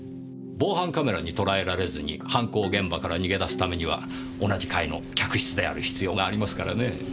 防犯カメラに捉えられずに犯行現場から逃げ出すためには同じ階の客室である必要がありますからね。